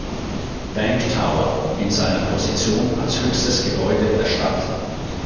Bank Tower in seiner Position als höchstes Gebäude der Stadt.